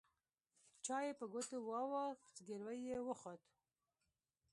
چای يې په ګوتو واوښت زګيروی يې وخوت.